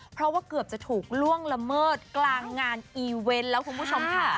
เพราะว่าเกือบจะถูกล่วงละเมิดกลางงานอีเวนต์แล้วคุณผู้ชมค่ะ